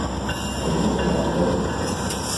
Аҩныҟа иааугазеи?